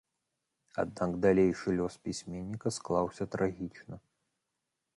Аднак далейшы лёс пісьменніка склаўся трагічна.